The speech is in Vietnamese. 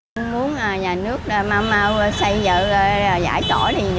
mình muốn nhà nước mau xây dựng giải tỏa đi